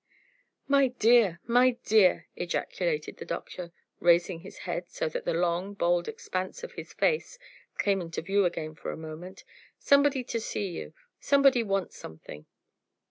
"My dear! my dear!" ejaculated the Doctor, raising his head so that the long, bald expanse of his face came into view again for a moment, "somebody to see you somebody wants something."